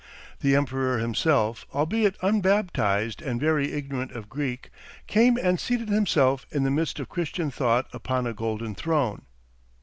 The emperor himself, albeit unbaptised and very ignorant of Greek, came and seated himself in the midst of Christian thought upon a golden throne.